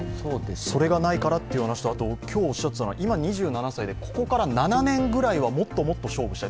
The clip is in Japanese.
それがないからという話と、今日おっしゃっていたのは、今２７歳で、ここから７年ぐらいはもっともっと勝負したい。